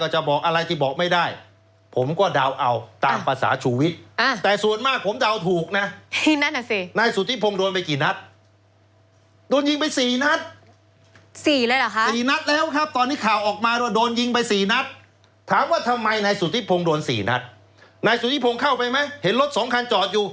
นะครับเป็นผมเนี่ยอยู่บ้านนอกเห็นรถสองคันจอดอยู่